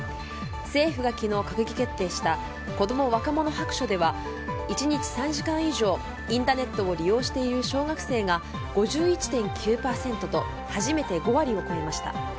政府が昨日閣議決定した子供・若者白書では１日３時間以上インターネットを利用している小学生が５１．９％と初めて５割を超えました。